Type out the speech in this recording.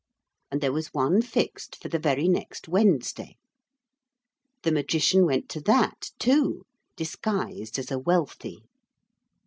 And there was one fixed for the very next Wednesday. The Magician went to that, too, disguised as a wealthy.